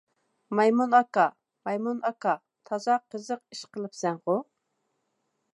مايمۇن ئاكا، مايمۇن ئاكا، تازا قىزىق ئىش قىلىپسەنغۇ!